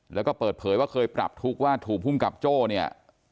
แล้วก็เปิดเผยว่าเคยปรับทุกข์ว่าถูกภูมิกับโจ้เนี่ย